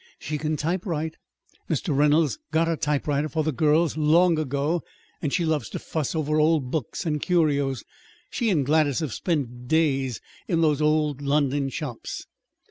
She can typewrite. Mr. Reynolds got a typewriter for the girls long ago. And she loves to fuss over old books and curios. She and Gladys have spent days in those old London shops."